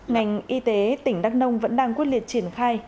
ngành y tế tỉnh đắk nông vẫn đang quyết liệt triển khai